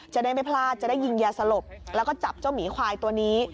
จะได้ไม่พลาดจะได้ยิงยาสลบแล้วก็จับเจ้าหมีควายตัวนี้